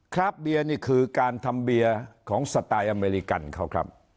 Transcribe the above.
ครับเบียร์นี่คือการทำเบียร์ของสไตล์อเมริกันเขาครับ